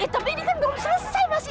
tapi ini kan belum selesai masih